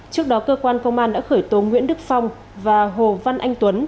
trước đó cơ quan công an đã khởi tố nguyễn đức phong và hồ văn anh tuấn